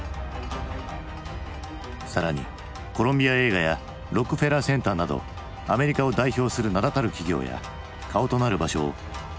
更にコロンビア映画やロックフェラーセンターなどアメリカを代表する名だたる企業や顔となる場所を日本資本が買収。